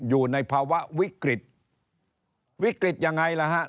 อยู่ในภาวะวิกฤตวิกฤตยังไงล่ะฮะ